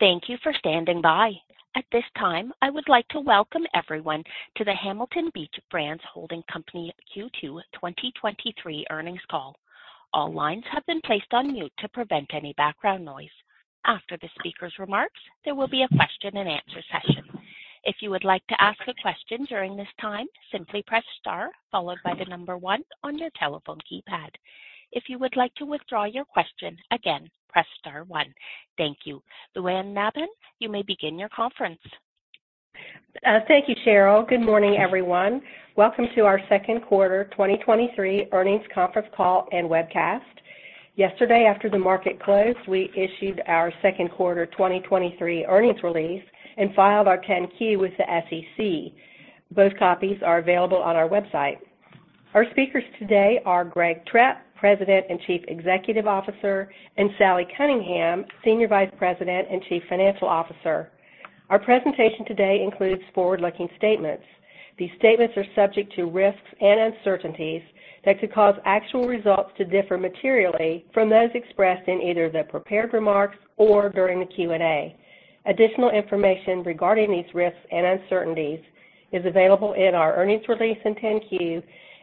Thank you for standing by. At this time, I would like to welcome everyone to the Hamilton Beach Brands Holding Company Q2 2023 earnings call. All lines have been placed on mute to prevent any background noise. After the speaker's remarks, there will be a question and answer session. If you would like to ask a question during this time, simply press star followed by the number one on your telephone keypad. If you would like to withdraw your question, again, press star one. Thank you. Lou Ann Nabhan, you may begin your conference. Thank you, Cheryl. Good morning, everyone. Welcome to our second quarter 2023 earnings conference call and webcast. Yesterday, after the market closed, we issued our second quarter 2023 earnings release and filed our 10-Q with the SEC. Both copies are available on our website. Our speakers today are Gregory Trepp, President and Chief Executive Officer, and Sally Cunningham, Senior Vice President and Chief Financial Officer. Our presentation today includes forward-looking statements. These statements are subject to risks and uncertainties that could cause actual results to differ materially from those expressed in either the prepared remarks or during the Q&A. Additional information regarding these risks and uncertainties is available in our earnings release in 10-Q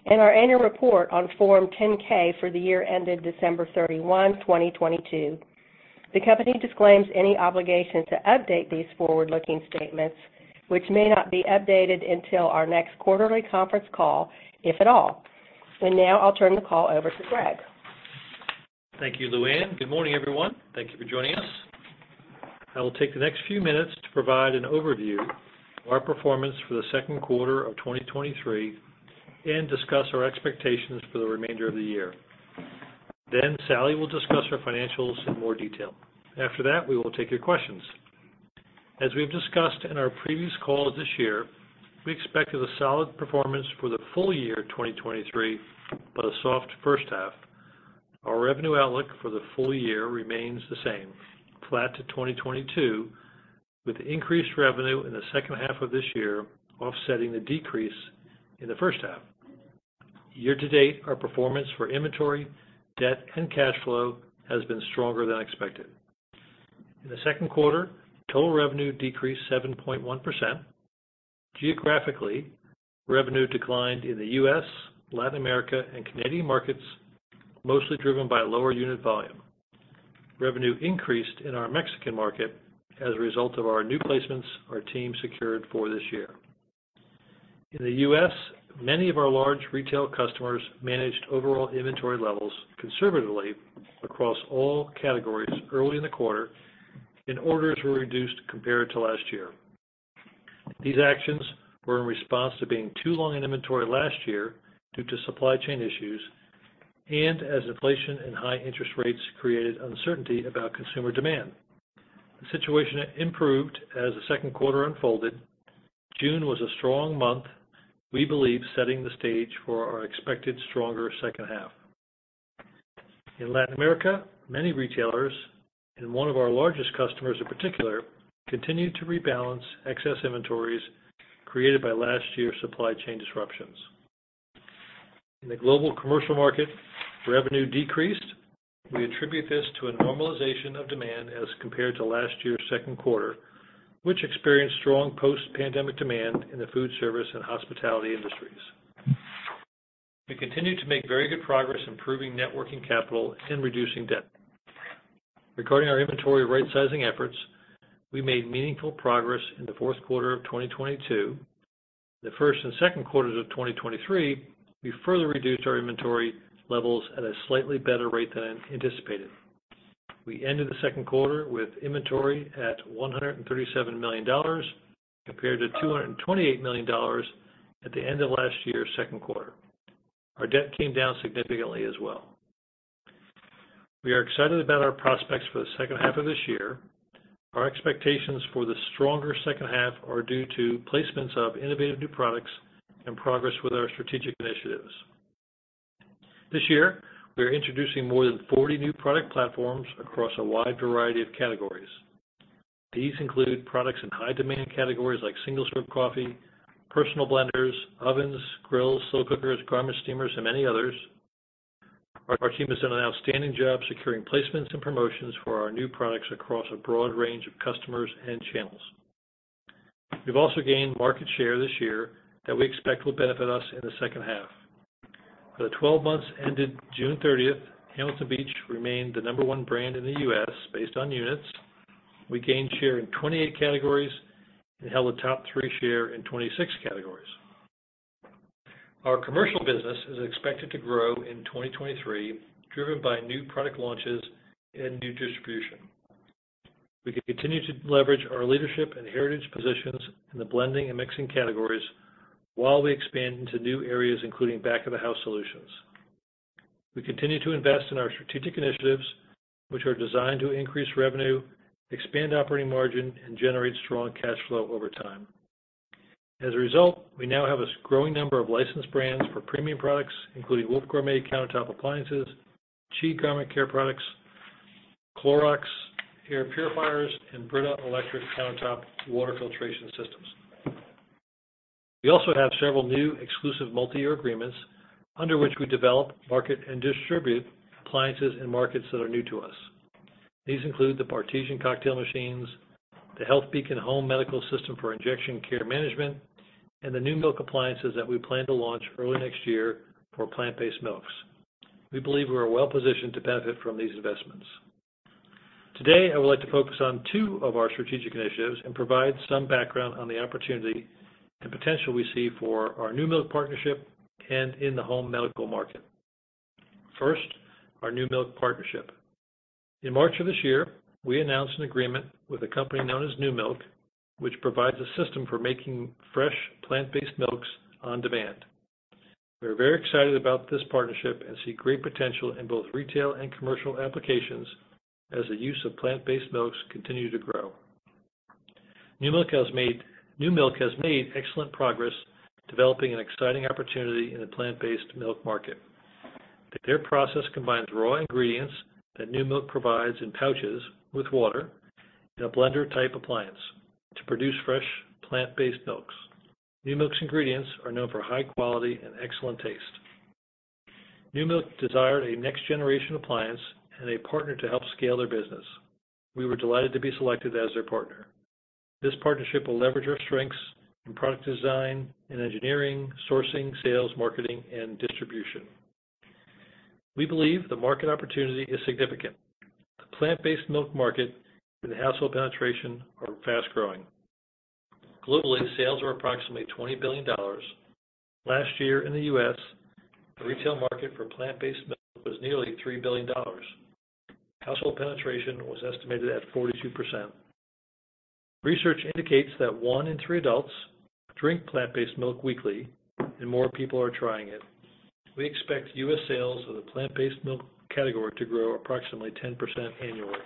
and our annual report on Form 10-K for the year ended December 31, 2022. The company disclaims any obligation to update these forward-looking statements, which may not be updated until our next quarterly conference call, if at all. Now I'll turn the call over to Gregory. Thank you, Lou Ann. Good morning, everyone. Thank you for joining us. I will take the next few minutes to provide an overview of our performance for the second quarter of 2023 and discuss our expectations for the remainder of the year. Sally will discuss our financials in more detail. After that, we will take your questions. As we've discussed in our previous call this year, we expected a solid performance for the full year 2023, but a soft first half. Our revenue outlook for the full year remains the same, flat to 2022, with increased revenue in the second half of this year, offsetting the decrease in the first half. Year to date, our performance for inventory, debt, and cash flow has been stronger than expected. In the second quarter, total revenue decreased 7.1%. Geographically, revenue declined in the U.S., Latin America, and Canadian markets, mostly driven by lower unit volume. Revenue increased in our Mexican market as a result of our new placements our team secured for this year. In the U.S., many of our large retail customers managed overall inventory levels conservatively across all categories early in the quarter, and orders were reduced compared to last year. These actions were in response to being too long in inventory last year due to supply chain issues and as inflation and high interest rates created uncertainty about consumer demand. The situation improved as the second quarter unfolded. June was a strong month, we believe, setting the stage for our expected stronger second half. In Latin America, many retailers, and one of our largest customers in particular, continued to rebalance excess inventories created by last year's supply chain disruptions. In the global commercial market, revenue decreased. We attribute this to a normalization of demand as compared to last year's second quarter, which experienced strong post-pandemic demand in the food service and hospitality industries. We continued to make very good progress improving net working capital and reducing debt. Regarding our inventory rightsizing efforts, we made meaningful progress in the fourth quarter of 2022. The first and second quarters of 2023, we further reduced our inventory levels at a slightly better rate than anticipated. We ended the second quarter with inventory at $137 million, compared to $228 million at the end of last year's second quarter. Our debt came down significantly as well. We are excited about our prospects for the second half of this year. Our expectations for the stronger second half are due to placements of innovative new products and progress with our strategic initiatives. This year, we are introducing more than 40 new product platforms across a wide variety of categories. These include products in high demand categories like single-serve coffee, personal blenders, ovens, grills, slow cookers, garment steamers, and many others. Our team has done an outstanding job securing placements and promotions for our new products across a broad range of customers and channels. We've also gained market share this year that we expect will benefit us in the second half. For the 12 months ended June thirtieth, Hamilton Beach remained the number one brand in the U.S., based on units. We gained share in 28 categories and held a top three share in 26 categories. Our commercial business is expected to grow in 2023, driven by new product launches and new distribution. We continue to leverage our leadership and heritage positions in the blending and mixing categories while we expand into new areas, including back-of-the-house solutions. We continue to invest in our strategic initiatives, which are designed to increase revenue, expand operating margin, and generate strong cash flow over time. As a result, we now have a growing number of licensed brands for premium products, including Wolf Gourmet countertop appliances, CHI Garment Care products, Clorox Air Purifiers, and Brita electric countertop water filtration systems. We also have several new exclusive multi-year agreements, under which we develop, market, and distribute appliances in markets that are new to us. These include the Bartesian cocktail machines, the HealthBeacon Home Medical System for injection care management, and the Numilk appliances that we plan to launch early next year for plant-based milks. We believe we are well positioned to benefit from these investments. Today, I would like to focus on two of our strategic initiatives and provide some background on the opportunity and potential we see for our Numilk partnership and in the home medical market. First, our Numilk partnership. In March of this year, we announced an agreement with a company known as Numilk, which provides a system for making fresh, plant-based milks on demand. We are very excited about this partnership and see great potential in both retail and commercial applications as the use of plant-based milks continue to grow. Numilk has made, Numilk has made excellent progress developing an exciting opportunity in the plant-based milk market. Their process combines raw ingredients that Numilk provides in pouches with water, in a blender-type appliance to produce fresh, plant-based milks. Numilk's ingredients are known for high quality and excellent taste. Numilk desired a next-generation appliance and a partner to help scale their business. We were delighted to be selected as their partner. This partnership will leverage our strengths in product design and engineering, sourcing, sales, marketing, and distribution. We believe the market opportunity is significant. The plant-based milk market and the household penetration are fast growing. Globally, sales are approximately $20 billion. Last year in the U.S., the retail market for plant-based milk was nearly $3 billion. Household penetration was estimated at 42%. Research indicates that one in three adults drink plant-based milk weekly, and more people are trying it. We expect US sales of the plant-based milk category to grow approximately 10% annually.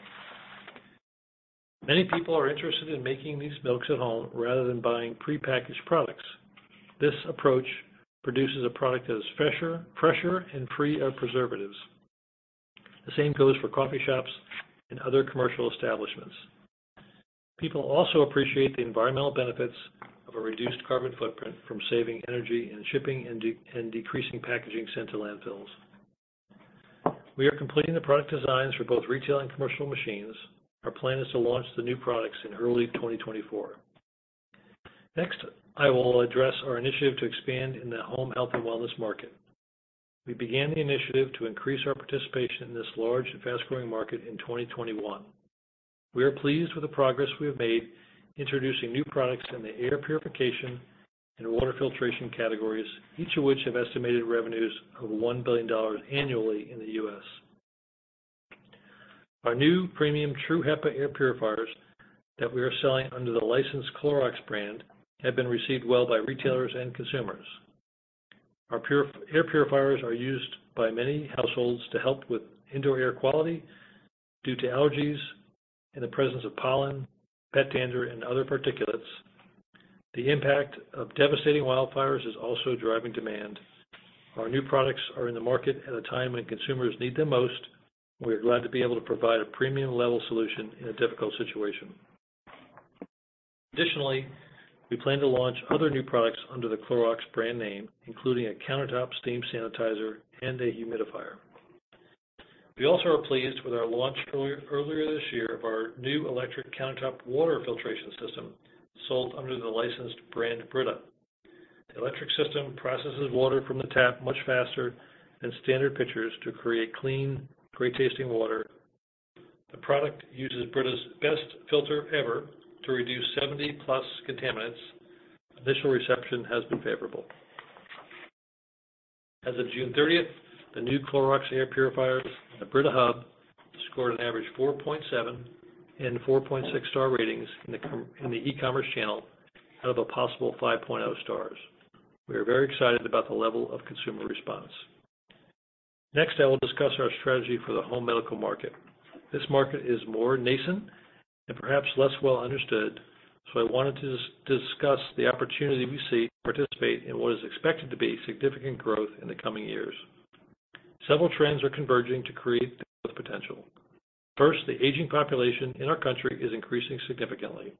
Many people are interested in making these milks at home rather than buying prepackaged products. This approach produces a product that is fresher, fresher, and free of preservatives. The same goes for coffee shops and other commercial establishments. People also appreciate the environmental benefits of a reduced carbon footprint from saving energy and shipping, and decreasing packaging sent to landfills. We are completing the product designs for both retail and commercial machines. Our plan is to launch the new products in early 2024. Next, I will address our initiative to expand in the home health and wellness market. We began the initiative to increase our participation in this large and fast-growing market in 2021. We are pleased with the progress we have made, introducing new products in the air purification and water filtration categories, each of which have estimated revenues of $1 billion annually in the U.S.. Our new premium True HEPA air purifiers that we are selling under the licensed Clorox brand, have been received well by retailers and consumers. Our air purifiers are used by many households to help with indoor air quality due to allergies and the presence of pollen, pet dander, and other particulates. The impact of devastating wildfires is also driving demand. Our new products are in the market at a time when consumers need them most. We are glad to be able to provide a premium level solution in a difficult situation. Additionally, we plan to launch other new products under the Clorox brand name, including a countertop steam sanitizer and a humidifier. We also are pleased with our launch earlier this year of our new electric countertop water filtration system, sold under the licensed brand, Brita. The electric system processes water from the tap much faster than standard pitchers to create clean, great-tasting water. The product uses Brita's best filter ever to reduce 70+ contaminants. Initial reception has been favorable. As of June 30th, the new Clorox air purifiers and the Brita Hub scored an average 4.7 and 4.6 star ratings in the e-commerce channel, out of a possible five stars. We are very excited about the level of consumer response. I will discuss our strategy for the home medical market. This market is more nascent and perhaps less well understood, so I wanted to discuss the opportunity we see to participate in what is expected to be significant growth in the coming years. Several trends are converging to create the growth potential. First, the aging population in our country is increasing significantly.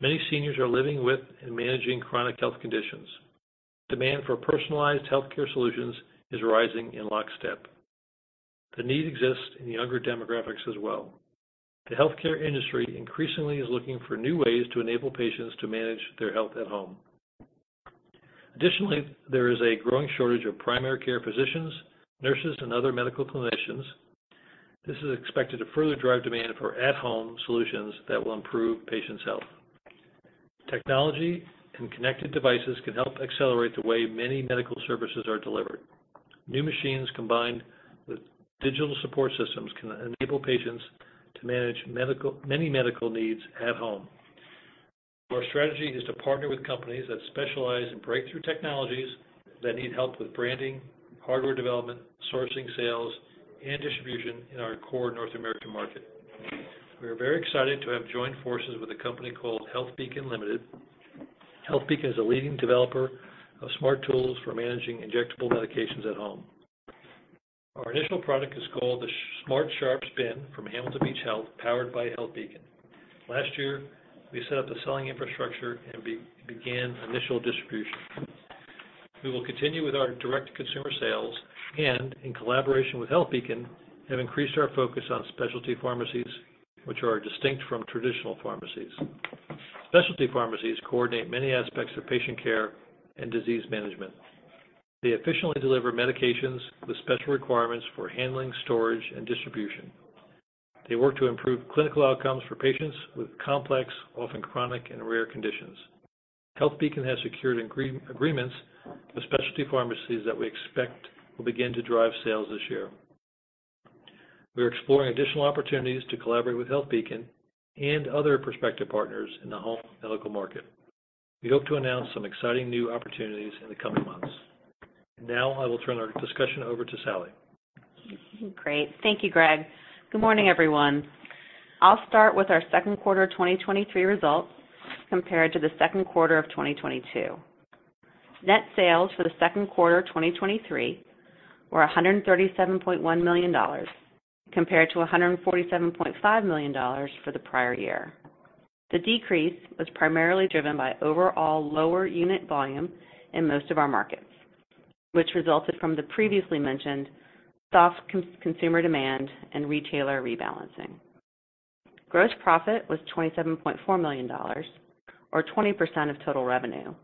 Many seniors are living with and managing chronic health conditions. Demand for personalized healthcare solutions is rising in lockstep. The need exists in the younger demographics as well. The healthcare industry increasingly is looking for new ways to enable patients to manage their health at home. Additionally, there is a growing shortage of primary care physicians, nurses, and other medical clinicians. This is expected to further drive demand for at-home solutions that will improve patients' health. Technology and connected devices can help accelerate the way many medical services are delivered. New machines, combined with digital support systems, can enable patients to manage many medical needs at home. Our strategy is to partner with companies that specialize in breakthrough technologies that need help with branding, hardware development, sourcing, sales, and distribution in our core North American market. We are very excited to have joined forces with a company called HealthBeacon Limited. HealthBeacon is a leading developer of smart tools for managing injectable medications at home. Our initial product is called the Smart Sharps Bin from Hamilton Beach Health, powered by HealthBeacon. Last year, we set up the selling infrastructure and began initial distribution. We will continue with our direct-to-consumer sales and, in collaboration with HealthBeacon, have increased our focus on specialty pharmacies, which are distinct from traditional pharmacies. Specialty pharmacies coordinate many aspects of patient care and disease management. They efficiently deliver medications with special requirements for handling, storage, and distribution. They work to improve clinical outcomes for patients with complex, often chronic and rare conditions. HealthBeacon has secured agreements with specialty pharmacies that we expect will begin to drive sales this year. We are exploring additional opportunities to collaborate with HealthBeacon and other prospective partners in the home medical market. We hope to announce some exciting new opportunities in the coming months. Now, I will turn our discussion over to Sally. Great. Thank you, Gregory. Good morning, everyone. I'll start with our second quarter 2023 results compared to the second quarter of 2022. Net sales for the second quarter 2023 were $137.1 million, compared to $147.5 million for the prior year. The decrease was primarily driven by overall lower unit volume in most of our markets, which resulted from the previously mentioned soft consumer demand and retailer rebalancing. Gross Profit was $27.4 million, or 20% of total revenue,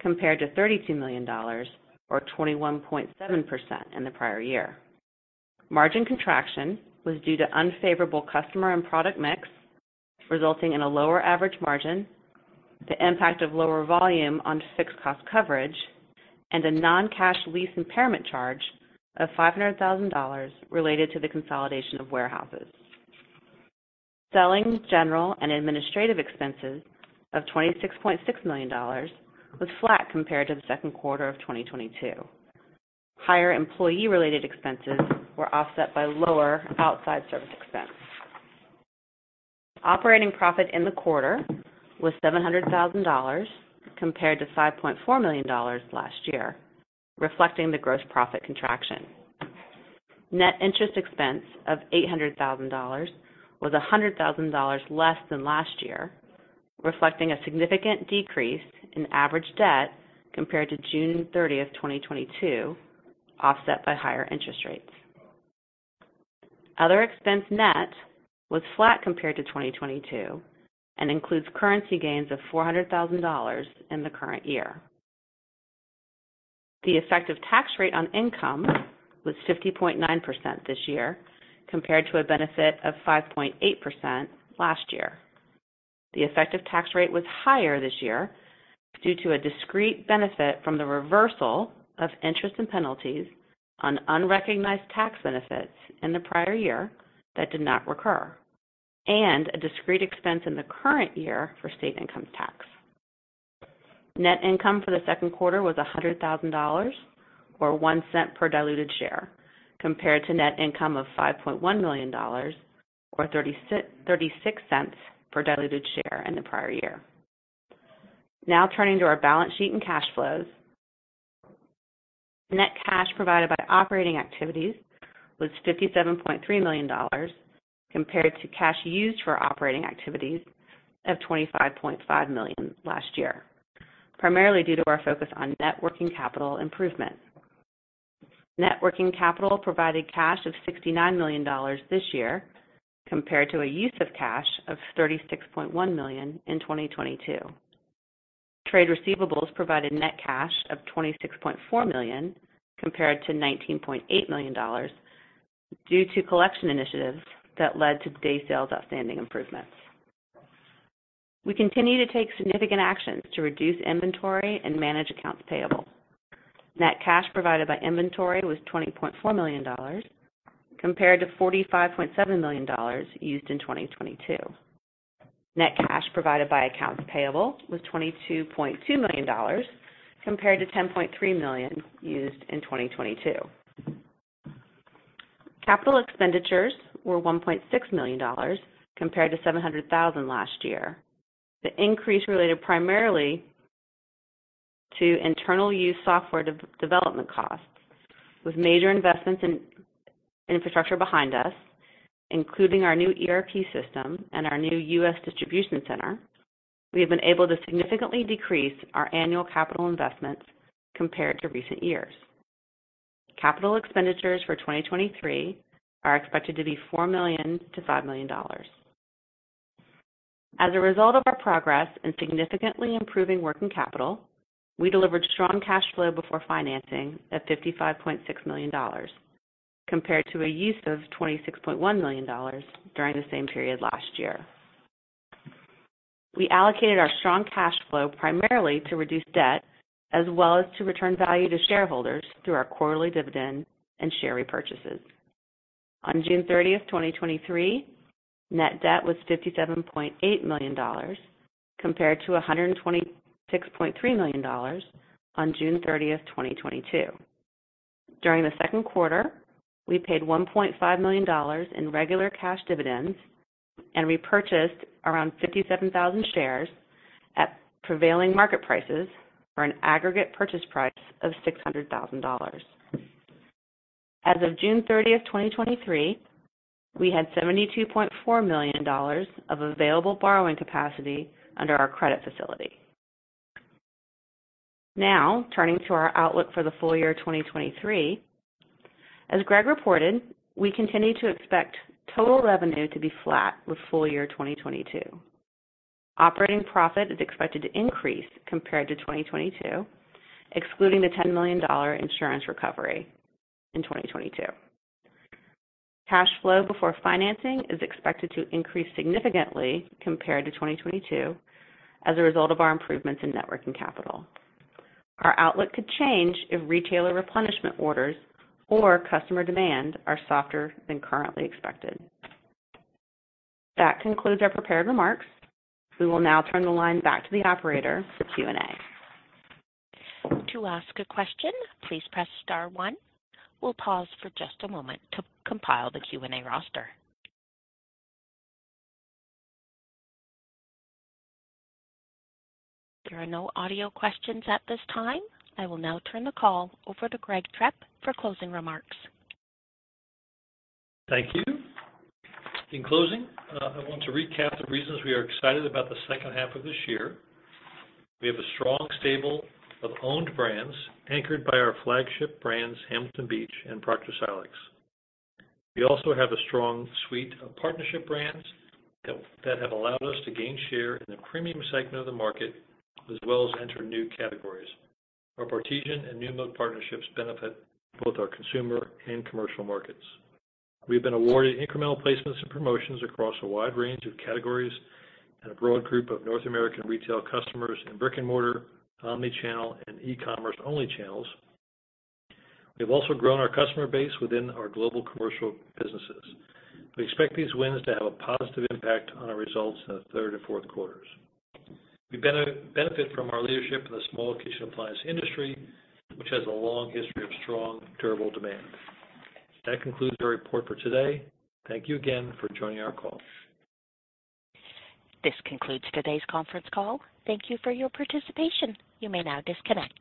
compared to $32 million, or 21.7% in the prior year. Margin contraction was due to unfavorable customer and product mix, resulting in a lower average margin, the impact of lower volume on fixed cost coverage, and a non-cash lease impairment charge of $500,000 related to the consolidation of warehouses. Selling general and administrative expenses of $26.6 million was flat compared to the second quarter of 2022. Higher employee-related expenses were offset by lower outside service expenses. Operating Profit in the quarter was $700,000, compared to $5.4 million last year, reflecting the gross profit contraction. Net interest expense of $800,000 was $100,000 less than last year, reflecting a significant decrease in average debt compared to June 30th, 2022, offset by higher interest rates. Other expense net was flat compared to 2022 and includes currency gains of $400,000 in the current year. The effective tax rate on income was 50.9% this year, compared to a benefit of 5.8% last year. The effective tax rate was higher this year due to a discrete benefit from the reversal of interest and penalties on unrecognized tax benefits in the prior year that did not recur, and a discrete expense in the current year for state income tax. Net income for the second quarter was $100,000, or $0.01 per diluted share, compared to net income of $5.1 million, or $0.36 per diluted share in the prior year. Now turning to our balance sheet and cash flows. Net cash provided by operating activities was $57.3 million, compared to cash used for operating activities of $25.5 million last year, primarily due to our focus on net working capital improvement. Net working capital provided cash of $69 million this year, compared to a use of cash of $36.1 million in 2022. Trade receivables provided net cash of $26.4 million, compared to $19.8 million, due to collection initiatives that led to day sales outstanding improvements. We continue to take significant actions to reduce inventory and manage accounts payable. Net cash provided by inventory was $20.4 million, compared to $45.7 million used in 2022. Net cash provided by accounts payable was $22.2 million, compared to $10.3 million used in 2022. Capital expenditures were $1.6 million, compared to $700,000 last year. The increase related primarily to internal use software development costs. With major investments in infrastructure behind us, including our new ERP system and our new US distribution center, we have been able to significantly decrease our annual capital investments compared to recent years. Capital expenditures for 2023 are expected to be $4 million-$5 million. As a result of our progress in significantly improving working capital, we delivered strong cash flow before financing at $55.6 million, compared to a use of $26.1 million during the same period last year. We allocated our strong cash flow primarily to reduce debt, as well as to return value to shareholders through our quarterly dividend and share repurchases. On June 30, 2023, net debt was $57.8 million, compared to $126.3 million on June 30, 2022. During the second quarter, we paid $1.5 million in regular cash dividends. repurchased around 57,000 shares at prevailing market prices for an aggregate purchase price of $600,000. As of June 30, 2023, we had $72.4 million of available borrowing capacity under our credit facility. Turning to our outlook for the full year, 2023. As Gregory reported, we continue to expect total revenue to be flat with full year 2022. Operating Profit is expected to increase compared to 2022, excluding the $10 million insurance recovery in 2022. Cash flow before financing is expected to increase significantly compared to 2022 as a result of our improvements in net working capital. Our outlook could change if retailer replenishment orders or customer demand are softer than currently expected. That concludes our prepared remarks. We will now turn the line back to the operator for Q&A. To ask a question, please press star one. We'll pause for just a moment to compile the Q&A roster. There are no audio questions at this time. I will now turn the call over to Gregory Trepp for closing remarks. Thank you. In closing, I want to recap the reasons we are excited about the second half of this year. We have a strong stable of owned brands, anchored by our Flagship Brands, Hamilton Beach and Proctor Silex. We also have a strong suite of partnership brands that have allowed us to gain share in the premium segment of the market, as well as enter new categories. Our Bartesian and Numilk partnerships benefit both our consumer and commercial markets. We've been awarded incremental placements and promotions across a wide range of categories and a broad group of North American retail customers in brick-and-mortar, omni-channel, and e-commerce-only channels. We've also grown our customer base within our global commercial businesses. We expect these wins to have a positive impact on our results in the third and fourth quarters. We benefit from our leadership in the small kitchen appliance industry, which has a long history of strong, durable demand. That concludes our report for today. Thank you again for joining our call. This concludes today's conference call. Thank you for your participation. You may now disconnect.